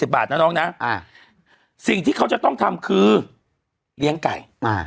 บาทนะน้องนะสิ่งที่เขาจะต้องทำคือเลี้ยงไก่อ่า